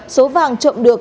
số vàng trộm được